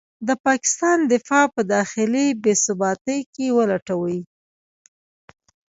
د پاکستان دفاع په داخلي بې ثباتۍ کې ولټوي.